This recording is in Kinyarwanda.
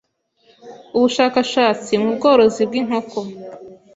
ubushakashatsi mu bworozi bw’inkoko